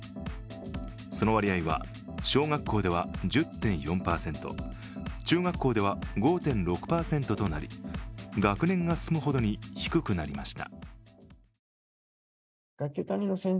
その割合は小学校では１０．４％、中学校では５．６％となり学年が進むほどに低くなりました。